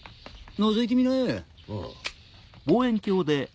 のぞいてみな。